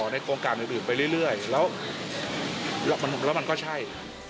ในโครงการอื่นไปเรื่อยแล้วมันก็ใช่